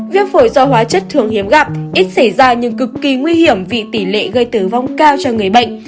viêm phổi do hóa chất thường hiếm gặp ít xảy ra nhưng cực kỳ nguy hiểm vì tỷ lệ gây tử vong cao cho người bệnh